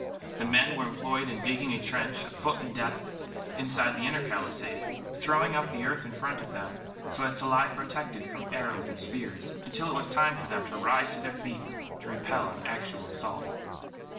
The men were employed in digging a trench, a foot in depth, inside the inner palisade; throwing up the earth in front of them, so as to lie protected from arrows and spears, until it was time for them to rise to their feet to repel an actual assault.